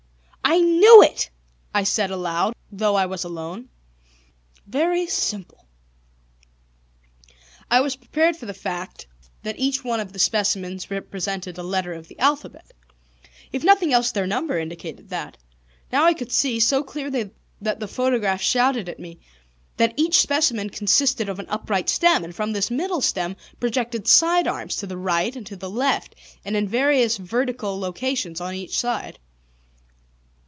"I knew it!" I said aloud, though I was alone. "Very simple." I was prepared for the fact that each one of the specimens represented a letter of the alphabet. If nothing else, their number indicated that. Now I could see, so clearly that the photographs shouted at me, that each specimen consisted of an upright stem, and from this middle stem projected side arms to the right and to the left, and in various vertical locations on each side.